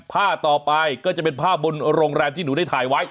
ต่อไปก็จะเป็นภาพบนโรงแรมที่หนูได้ถ่ายไว้